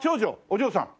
お嬢さん？